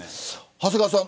長谷川さん